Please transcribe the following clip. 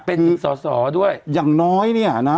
แต่หนูจะเอากับน้องเขามาแต่ว่า